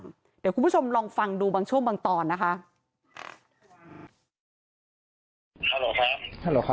เดี๋ยวคุณผู้ชมลองฟังดูบางช่วงบางตอนนะคะ